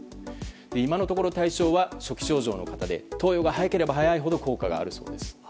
今のところ対象は初期症状の方で投与が早ければ早いほど効果があるそうです。